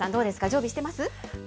常備してます？